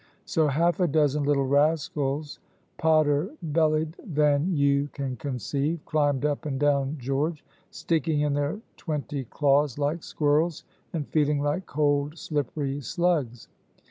So half a dozen little rascals, potter bellied than you can conceive, climbed up and down George, sticking in their twenty claws like squirrels, and feeling like cold, slippery slugs.